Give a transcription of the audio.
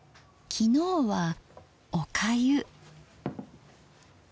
昨日は「おかゆ」。